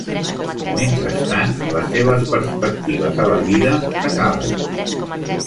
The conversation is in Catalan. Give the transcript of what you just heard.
Mentrestant, les seves perspectives a la vida s'acaben.